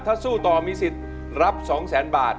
ถ้าสู้ตอนมีสิทธิ์รับ๒๐๐๐๐๐๐๐บาท